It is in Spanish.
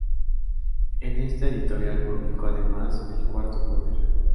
En esta editorial publicó además "El cuarto poder.